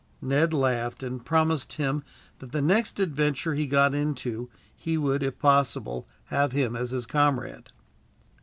Ned laughed, and promised him that the next adventure he got into he would, if possible, have him as his comrade.